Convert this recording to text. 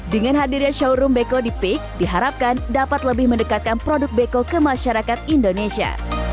dengan hadirnya showroom beko di peak diharapkan dapat lebih mendekatkan produk beko ke masyarakat indonesia